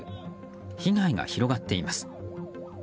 被害が広がっています。